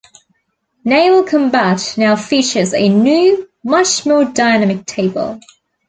Naval combat now features a new, much more dynamic table.